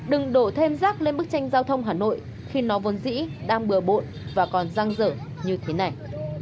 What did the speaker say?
đừng đổ thêm rác lên bức tranh giao thông hà nội khi nó vốn dĩ đang bừa bộn và còn giang dở như thế này